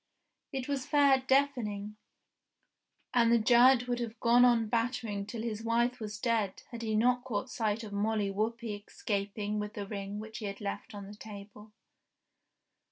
It was fair deafening, and the giant would have gone on battering till his wife was dead had he not caught sight of Molly Whuppie escaping with the ring which he had left on the table.